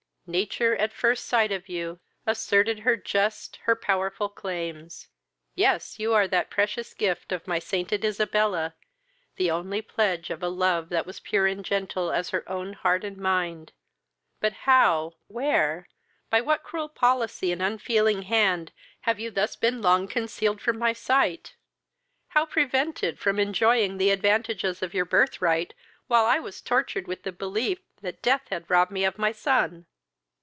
Nature, at first sight of you, asserted her just, her powerful claims: yes, you are the precious gift of my sainted Isabella, the only pledge of a love that was pure and gentle as her own heart and mind! but how, where, by what cruel policy and unfeeling hand have you thus long been concealed from my sight? how prevented from enjoying the advantages of your birth right, while I was tortured with the belief that death had robbed my of my son?"